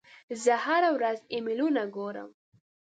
زه هره ورځ ایمیلونه ګورم.